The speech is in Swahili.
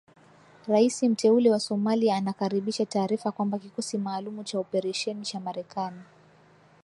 Raisi mteule wa Somalia anakaribisha taarifa kwamba kikosi maalumu cha operesheni cha Marekani